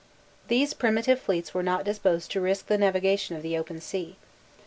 These primitive fleets were not disposed to risk the navigation of the open sea.